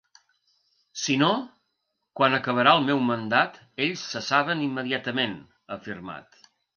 Si no, quan acabara el meu mandat, ells cessaven immediatament, ha afirmat.